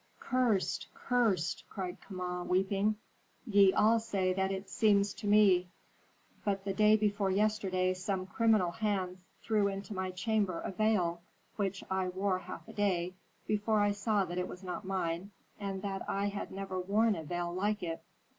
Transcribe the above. "Cursed! Cursed!" cried Kama, weeping. "Ye all say that it seems to me. But the day before yesterday some criminal hand threw into my bedchamber a veil, which I wore half a day before I saw that it was not mine and that I had never worn a veil like it."